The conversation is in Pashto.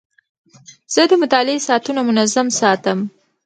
زه د مطالعې ساعتونه منظم ساتم.